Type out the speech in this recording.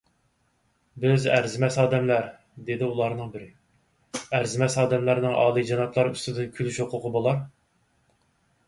_ بىز ئەرزىمەس ئادەملەر، _ دېدى ئۇلارنىڭ بىرى، _ ئەرزىمەس ئادەملەرنىڭ ئالىيجانابلار ئۈستىدىن كۈلۈش ھوقۇقى بولار!؟